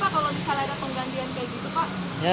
pak kalau misalnya ada penggantian kayak gitu pak